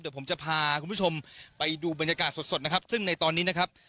เดี๋ยวผมจะพาคุณผู้ชมไปดูบรรยากาศสดสดนะครับซึ่งในตอนนี้นะครับ